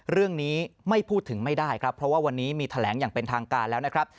เรื่องนี้ไม่พูดถึงไม่ได้ครับเพราะว่าวันนี้มีแถลงอย่างเป็นทางการแล้วนะครับ